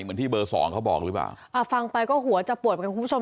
เหมือนที่เบอร์สองเขาบอกหรือเปล่าอ่าฟังไปก็หัวจะปวดเหมือนกันคุณผู้ชม